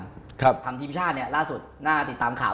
เพราะชุดสินในช่วยปริกฟิวชาติเนี่ยล่าสุดน่าติดตามข่าวนะ